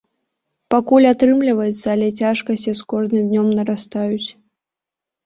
Пакуль атрымліваецца, але цяжкасці з кожным днём нарастаюць.